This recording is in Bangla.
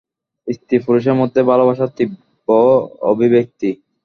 স্ত্রী-পুরষের মধ্যেই ভালবাসার তীব্র অভিব্যক্তি।